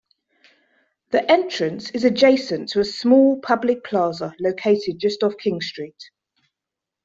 The entrance is adjacent to a small public plaza located just off King Street.